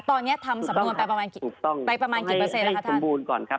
ตอนนี้ทำสำนวนไปประมาณกี่เปอร์เซ็นต์ต้องให้สมบูรณ์ก่อนครับ